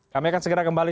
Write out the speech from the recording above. kami akan segera kembali